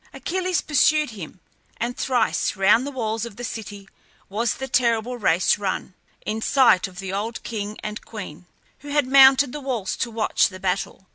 Achilles pursued him; and thrice round the walls of the city was the terrible race run, in sight of the old king and queen, who had mounted the walls to watch the battle.